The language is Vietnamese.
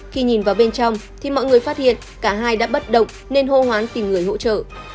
khi nhìn vào bên trong thì mọi người phát hiện cả hai đã bất động nên hô hoán tìm người hỗ trợ